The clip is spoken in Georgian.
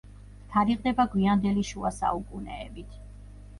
თარიღდება გვიანდელი შუა საუკუნეებით.